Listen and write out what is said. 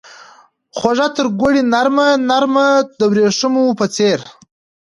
خوږه ترګوړې نرمه ، نرمه دوریښمو په څیر